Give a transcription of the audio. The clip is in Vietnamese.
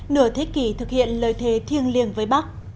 nửa thế kỷ thực hiện lời thề thiêng liêng với bắc